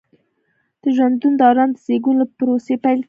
د ژوند دوران د زیږون له پروسې پیل کیږي.